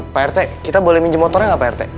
pak rt kita boleh minjem motornya nggak pak rt